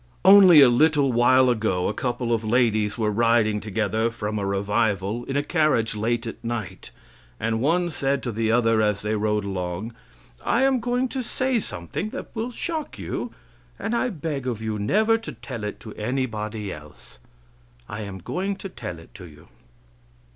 Only a little while ago a couple of ladies were riding together from a revival in a carriage late at night, and one said to the other; as they rode along: "I am going to say something that will shock you, and I beg of you never to tell it to anybody else. I am going to tell it to you."